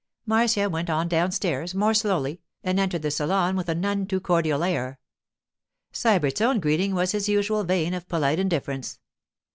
Marcia went on downstairs more slowly, and entered the salon with a none too cordial air. Sybert's own greeting was in his usual vein of polite indifference.